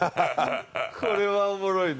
これはおもろいね。